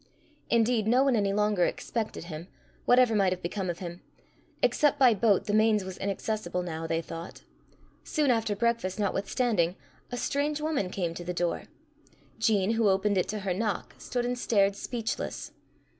Indeed no one any longer expected him, whatever might have become of him: except by boat the Mains was inaccessible now, they thought. Soon after breakfast, notwithstanding, a strange woman came to the door. Jean, who opened it to her knock, stood and stared speechless.